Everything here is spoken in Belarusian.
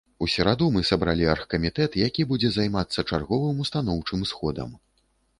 У сераду мы сабралі аргкамітэт, які будзе займацца чарговым устаноўчым сходам.